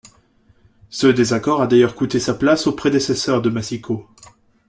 Ce désaccord a d’ailleurs coûté sa place au prédécesseur de Massicault.